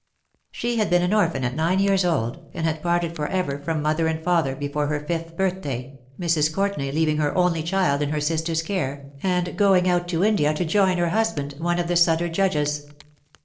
She had been an orphan at nine years old, and had parted for ever from mother and father before her fifth birthday^ Mrs. Courtenay leaving her only child in her sister's care, and going out to India to join her husband, one of the Sudder Judges.